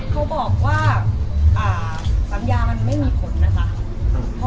เขาบอกว่าสัญญามันไม่มีผลนะคะ